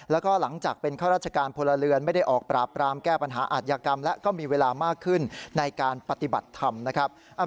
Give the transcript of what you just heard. แล้วก็หลังจากเป็นข้าราชการพลเรือนไม่ได้ออกปราบปรามแก้ปัญหาอาทยากรรมและก็มีเวลามากขึ้นในการปฏิบัติธรรมนะครับ